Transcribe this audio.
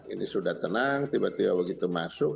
ini sudah tenang tiba tiba begitu masuk